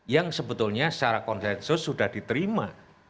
yang sebetulnya secara konsensus sudah diterima